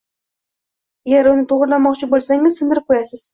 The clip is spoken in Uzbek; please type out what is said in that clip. Agar uni to‘g‘rilamoqchi bo‘lsangiz, sindirib qo‘yasiz.